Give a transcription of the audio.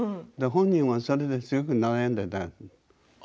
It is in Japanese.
本人はそれですごく悩んでいた。